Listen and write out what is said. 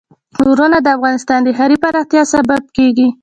غرونه د افغانستان د ښاري پراختیا سبب کېږي.